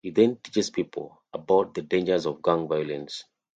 He then teaches people about the dangers of gang violence.